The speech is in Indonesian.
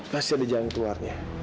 pasti ada jalan keluarnya